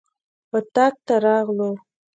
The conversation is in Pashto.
اطاق ته راغلو.